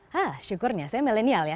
hah syukurnya saya milenial ya